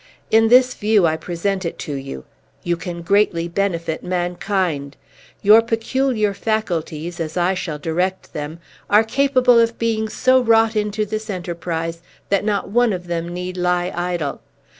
In this view, I present it to you. You can greatly benefit mankind. Your peculiar faculties, as I shall direct them, are capable of being so wrought into this enterprise that not one of them need lie idle.